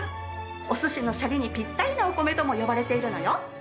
お寿司のシャリにぴったりなお米とも呼ばれているのよ。